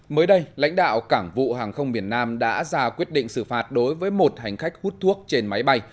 mới đây lãnh đạo cảng vụ hàng không biển nam đã ra quyết định xử phạt đối với một hành khách hút thuốc trên máy bay